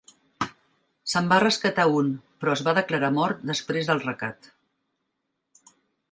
Se"n va rescatar un però es va declarar mort després del recat.